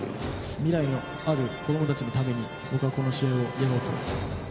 未来のある子供たちのために俺はこの試合をやろうと。